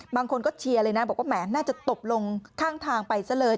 บางคนก็เชียร์เลยนะบอกว่าแหมน่าจะตบลงข้างทางไปซะเลย